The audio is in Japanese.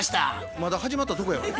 まだ始まったとこやがな。